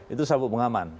itu sabuk pengaman